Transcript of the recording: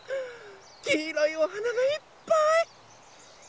きいろいおはながいっぱい！